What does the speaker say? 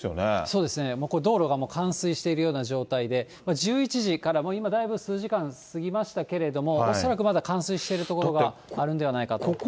そうですね、道路がもう冠水しているような状態で、１１時から、今、だいぶ数時間、過ぎましたけれども、恐らくまだ冠水している所があるのではないかと。